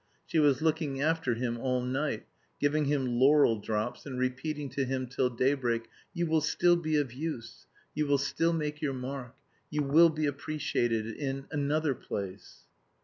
She was looking after him all night, giving him laurel drops and repeating to him till daybreak, "You will still be of use; you will still make your mark; you will be appreciated ... in another place."